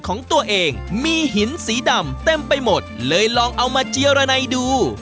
ของตัวเองมีหินสีดำเต็มไปหมดเลยลองเอามาเจียรนัยดู